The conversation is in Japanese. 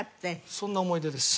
そんな思い出です